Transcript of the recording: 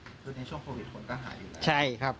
คือในช่วงโควิดคนก็หายอยู่แล้ว